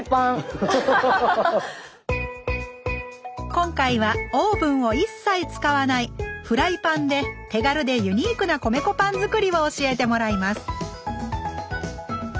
今回はオーブンを一切使わないフライパンで手軽でユニークな米粉パン作りを教えてもらいます！